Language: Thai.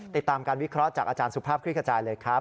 ติดตามการวิเคราะห์จากอาจารย์สุภาพคลิกขจายเลยครับ